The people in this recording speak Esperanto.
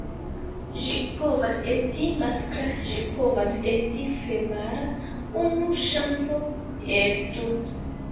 Ĝi povas esti maskla, ĝi povas esti femala: unu ŝanco el du.